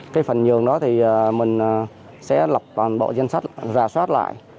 cái phần nhường đó thì mình sẽ lọc toàn bộ danh sách ra soát lại